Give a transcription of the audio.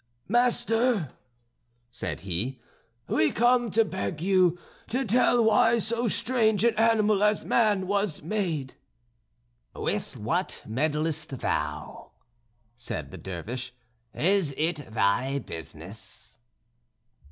"Master," said he, "we come to beg you to tell why so strange an animal as man was made." "With what meddlest thou?" said the Dervish; "is it thy business?"